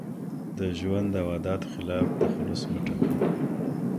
د ژوند او عاداتو خلاف تخلص مه ټاکئ.